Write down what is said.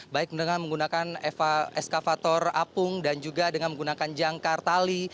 baik dengan menggunakan eskavator apung dan juga dengan menggunakan jangkar tali